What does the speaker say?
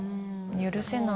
許せない。